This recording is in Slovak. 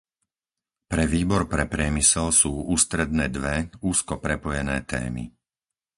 Pre Výbor pre priemysel sú ústredné dve, úzko prepojené témy.